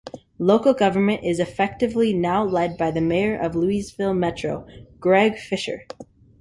Local government is effectively now led by the Mayor of Louisville Metro, Greg Fischer.